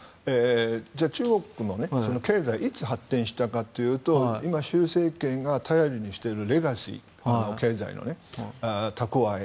中国の経済がいつ発展したかというと今、習政権が頼りにしているレガシー、経済のね、蓄え。